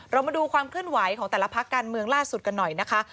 เรามาดูความเคลื่อนไหวของแต่ละพักการเมืองล่าสุดกันหน่อยนะคะ